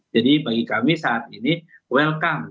bagi kami saat ini welcome